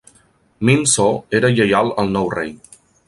Min Saw era lleial al nou rei.